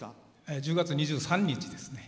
１０月２３日です。